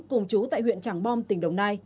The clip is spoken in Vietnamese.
cùng chú tại huyện trảng bom tỉnh đồng nai